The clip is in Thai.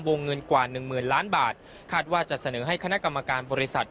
เงินกว่าหนึ่งหมื่นล้านบาทคาดว่าจะเสนอให้คณะกรรมการบริษัท